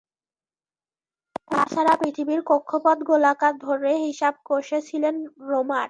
তাছাড়া পৃথিবীর কক্ষপথ গোলাকার ধরে হিসাব কষেছিলেন রোমার।